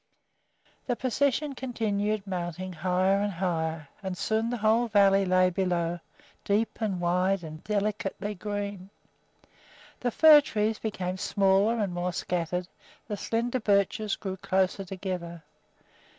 The procession continued mounting higher and higher, and soon the whole valley lay below, deep and wide and delicately green. The fir trees became smaller and more scattered, the slender birches grew closer together.